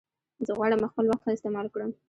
زه غواړم خپل وخت ښه استعمال کړم.